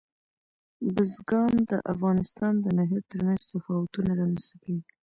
بزګان د افغانستان د ناحیو ترمنځ تفاوتونه رامنځ ته کوي.